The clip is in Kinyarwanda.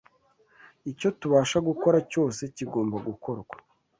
Icyo tubasha gukora cyose kigomba gukorwa